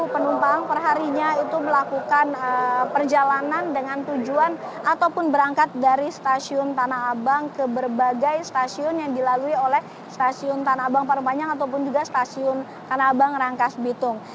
penumpang perharinya itu melakukan perjalanan dengan tujuan ataupun berangkat dari stasiun tanah abang ke berbagai stasiun yang dilalui oleh stasiun tanah abang paling panjang ataupun juga stasiun tanah abang rangkas bitung